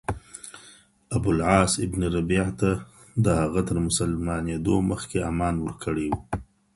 ابوالعاص بن الربيع ته د هغه تر مسلمانېدو مخکي امان ورکړی وو.